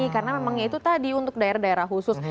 karena memangnya itu tadi untuk daerah daerah khusus